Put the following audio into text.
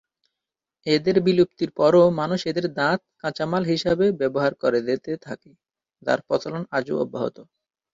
এদের বিলুপ্তির পরও, মানুষ এদের দাঁত কাঁচামাল হিসাবে ব্যবহার করে যেতে থাকে, যার প্রচলন আজও অব্যাহত।